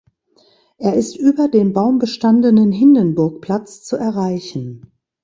Er ist über den baumbestandenen Hindenburgplatz zu erreichen.